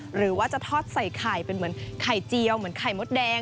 หรือว่าจะทอดใส่ไข่เป็นเหมือนไข่เจียวเหมือนไข่มดแดง